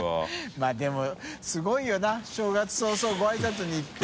泙でもすごいよな正月早々ごあいさつに行って。